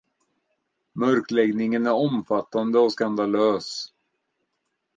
Mörkläggningen är omfattande och skandalös.